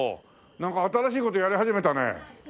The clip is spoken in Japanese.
なんか新しい事やり始めたね。